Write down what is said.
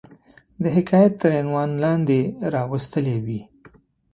د حکایت تر عنوان لاندي را وستلې وي.